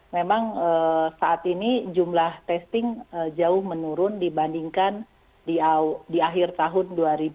memang saat ini jumlah testing jauh menurun dibandingkan di akhir tahun dua ribu dua puluh